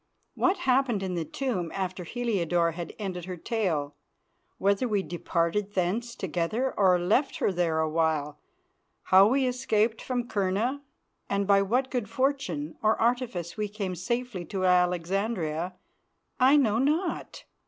What happened in the tomb after Heliodore had ended her tale; whether we departed thence together or left her there a while; how we escaped from Kurna, and by what good fortune or artifice we came safely to Alexandria, I know not.